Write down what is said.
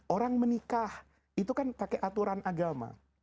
orang menikah itu kan pakai aturan agama